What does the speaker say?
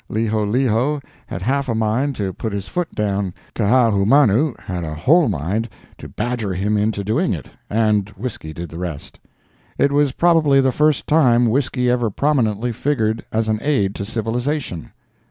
Liholiho had half a'mind to put his foot down, Kaahumanu had a whole mind to badger him into doing it, and whisky did the rest. It was probably the first time whisky ever prominently figured as an aid to civilization.